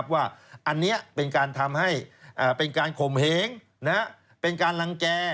ว่าอันนี้เป็นการทำให้เป็นการข่มเหงเป็นการลังแก่